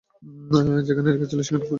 যেখানে রেখেছিল সেখানে খোঁজ।